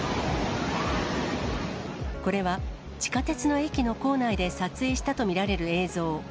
これは、地下鉄の駅の構内で撮影したと見られる映像。